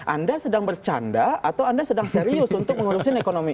anda sedang bercanda atau anda sedang serius untuk mengurusin ekonomi